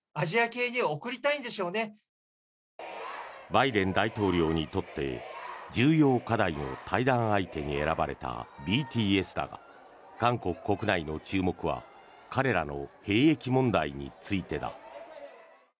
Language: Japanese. バイデン大統領にとって重要課題の対談相手に選ばれたＢＴＳだが韓国国内の注目は彼らの兵役問題についてだ。